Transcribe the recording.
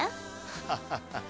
ハハハハ。